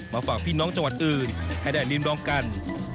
ฝากพี่น้องจังหวัดอื่นให้ได้ริมลองกัน